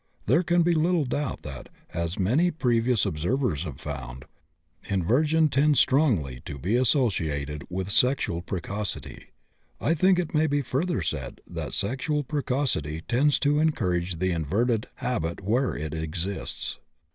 There can be little doubt that, as many previous observers have found, inversion tends strongly to be associated with sexual precocity. I think it may further be said that sexual precocity tends to encourage the inverted habit where it exists.